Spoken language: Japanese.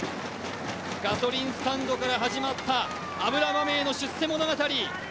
ガソリンスタンドから始まった油まみれの出世物語。